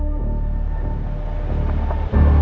tidak ada yang bisa dihukum